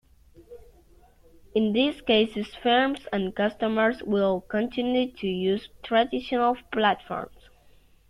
In these cases firms and customers will continue to use traditional platforms.